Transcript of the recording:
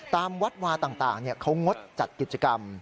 ตามวัดวาต่างเขางดจัดกิจกรรม